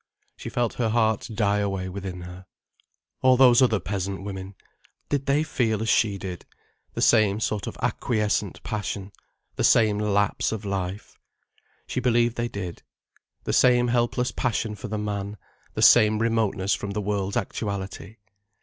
She felt her heart die away within her. All those other peasant women, did they feel as she did?—the same sort of acquiescent passion, the same lapse of life? She believed they did. The same helpless passion for the man, the same remoteness from the world's actuality?